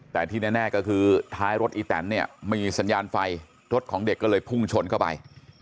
แต่ที่แน่ก็คือท้ายรถอีแตนเนี่ยไม่มีสัญญาณไฟรถของเด็กก็เลยพุ่งชนเข้าไป